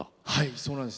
そうなんです。